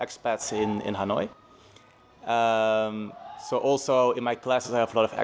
đất nước cũng ngon